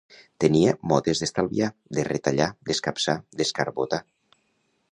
Tenia modes d'estalviar, de retallar, d'escapçar, d'escarbotar